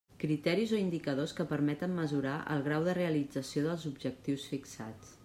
Criteris o indicadors que permeten mesurar el grau de realització dels objectius fixats.